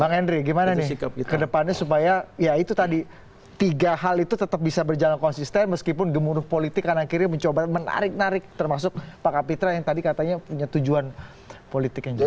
bang henry gimana nih ke depannya supaya ya itu tadi tiga hal itu tetap bisa berjalan konsisten meskipun gemuruh politik kan akhirnya mencoba menarik narik termasuk pak kapitra yang tadi katanya punya tujuan politik yang jelas